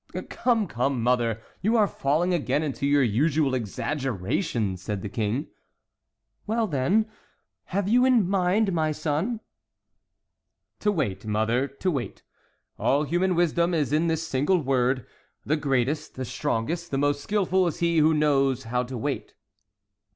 "Come, come, mother, you are falling again into your usual exaggeration," said the King. "What, then, have you in mind, my son?" "To wait, mother,—to wait. All human wisdom is in this single word. The greatest, the strongest, the most skilful is he who knows how to wait."